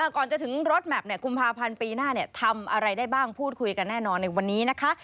ก่อนจะถึงรถแมพกุมภาพันธ์ปีหน้าทำอะไรได้บ้างพูดคุยกันแน่นอนในวันนี้นะคะ